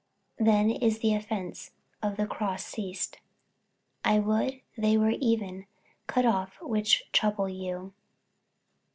then is the offence of the cross ceased. 48:005:012 I would they were even cut off which trouble you.